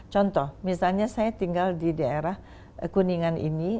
contoh misalnya saya tinggal di daerah kuningan ini